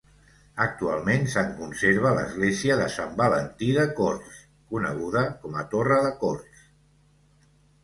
Actualment se'n conserva l'església de Sant Valentí de Corts, coneguda com a Torre de Corts.